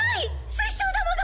水晶玉が！